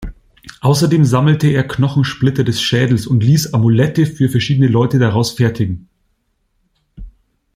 Außerdem sammelte er Knochensplitter des Schädels und ließ Amulette für verschiedene Leute daraus fertigen.